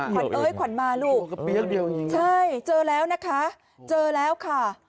ขวัญเอ้ยขวัญมาลูกเจอแล้วนะคะเจอแล้วค่ะ